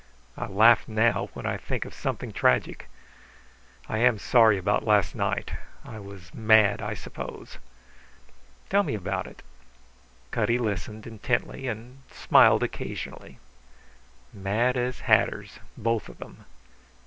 I laugh now when I think of something tragic. I am sorry about last night. I was mad, I suppose." "Tell me about it." Cutty listened intently and smiled occasionally. Mad as hatters, both of them.